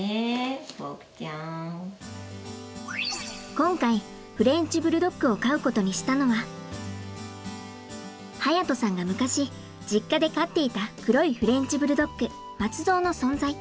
今回フレンチ・ブルドッグを飼うことにしたのは隼人さんが昔実家で飼っていた黒いフレンチ・ブルドッグ松蔵の存在。